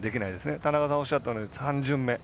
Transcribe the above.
田中さんおっしゃったように３巡目。